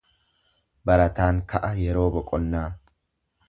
Barataan ka'a yeroo boqonnaa.